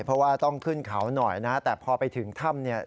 เพราะว่าต้องขึ้นเขาหน่อยนะแต่พอไปถึงถ้ำเนี่ย